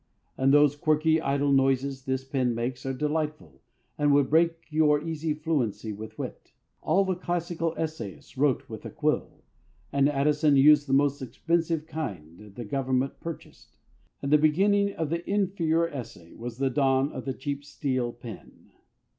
And those quirky, idle noises this pen makes are delightful, and would break your easy fluency with wit. All the classical essayists wrote with a quill, and Addison used the most expensive kind the Government purchased. And the beginning of the inferior essay was the dawn of the cheap steel pen.